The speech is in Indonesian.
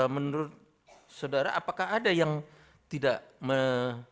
menurut saudara apakah ada yang tidak mengetahui